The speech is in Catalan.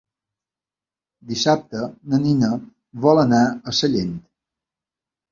Dissabte na Nina vol anar a Sallent.